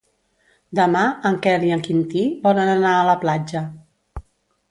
Demà en Quel i en Quintí volen anar a la platja.